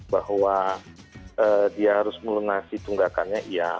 bahwa dia harus melunasi tunggakannya iya